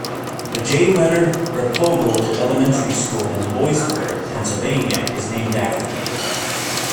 The J. Leonard Replogle Elementary School in Loysburg, Pennsylvania is named after him.